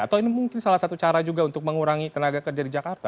atau ini mungkin salah satu cara juga untuk mengurangi tenaga kerja di jakarta